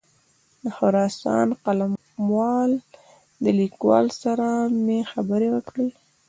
د خراسان د قلموال له لیکوال سره مې خبرې وکړې.